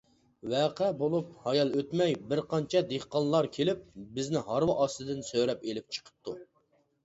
ۋەقە بولۇپ ھايال ئۆتمەي بىر قانچە دېھقانلار كېلىپ بىزنى ھارۋا ئاستىدىن سۆرەپ ئېلىپ چىقىپتۇ.